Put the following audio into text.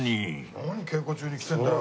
「何稽古中に来てるんだよ」。